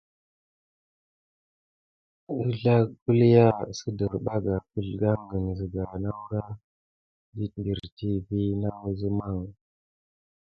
Ezla kulià siderbakane kekalan siga nakura dik piritite vis nawuzamban.